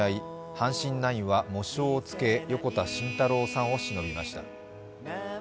阪神ナインは喪章をつけ横田慎太郎さんをしのびました。